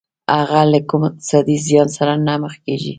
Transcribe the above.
هغه له کوم اقتصادي زيان سره نه مخ کېږي.